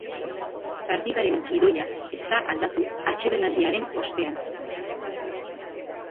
Partidaren gidoia ez da aldatu atsedenaldiaren ostean.